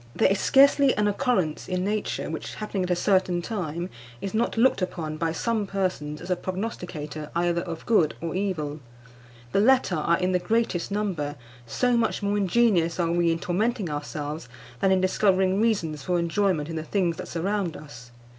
There is scarcely an occurrence in nature which, happening at a certain time, is not looked upon by some persons as a prognosticator either of good or evil. The latter are in the greatest number, so much more ingenious are we in tormenting ourselves than in discovering reasons for enjoyment in the things that surround us.